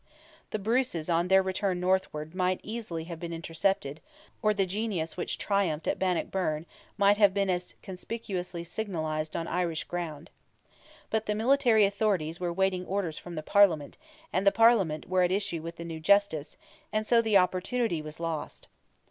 The Bruces on their return northward might easily have been intercepted, or the genius which triumphed at Bannockburn might have been as conspicuously signalized on Irish ground. But the military authorities were waiting orders from the Parliament, and the Parliament were at issue with the new Justice, and so the opportunity was lost.